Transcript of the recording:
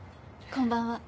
こんばんは。